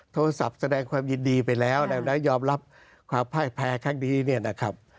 แสดงความยินดีไปแล้วแล้วยอมรับความพ่ายแพ้ครั้งนี้เนี่ยนะครับ